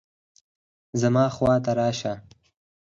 زما خوا ته راشه